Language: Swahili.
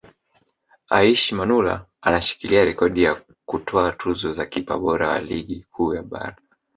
Aishi Manula anashikilia rekodi ya kutwaa tuzo za kipa bora wa Ligi Kuu Bara